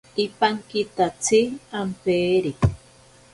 Ipankitatsi ampeere.